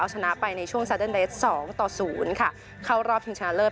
ชนะไปในช่วงสองต่อศูนย์ค่ะเข้ารอบถึงชนะเลิศ